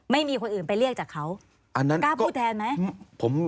ไม่มีคนอื่นไปเรียกจากเขาอันนั้นกล้าพูดแทนไหม